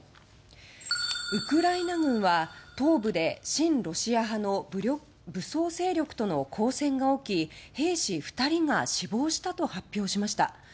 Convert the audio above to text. ウクライナ軍は東部で親ロシア派の武装勢力との交戦が起き兵士２人が死亡したと発表しました。